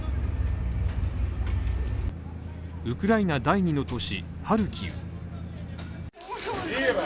ウクライナ第２の都市、ハルキウ。